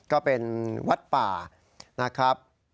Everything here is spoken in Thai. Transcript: ก็เป็นวัดป่านะครับ